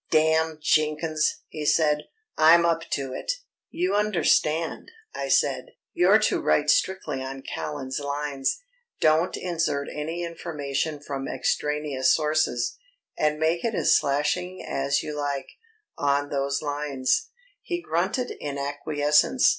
"Damn Jenkins," he said; "I'm up to it." "You understand," I said, "you're to write strictly on Callan's lines. Don't insert any information from extraneous sources. And make it as slashing as you like on those lines." He grunted in acquiescence.